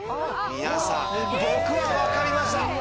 皆さん、僕は分かりました。